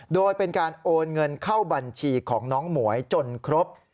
โดยเป็นการโอนเงินเข้าบัญชีของน้องหมวยจนครบ